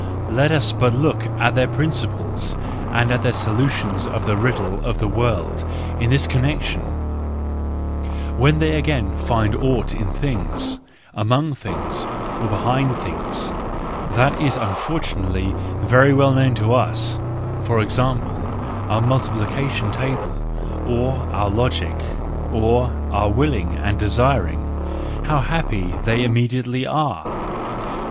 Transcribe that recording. let us but look at their principles, and at their solutions of the riddle of the world in this connection ! When they again find aught in things, among things, or behind things, that is unfortunately very well known to us, for example, our multiplica¬ tion table, or our logic, or our willing and desiring, how happy they immediately are!